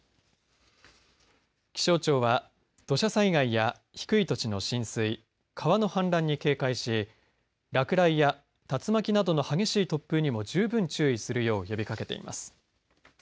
気象庁は、土砂災害や低い土地の浸水川の氾濫に警戒し落雷や竜巻などの激しい突風にも十分注意するよう呼びかけています。